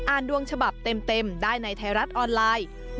ดวงฉบับเต็มได้ในไทยรัฐออนไลน์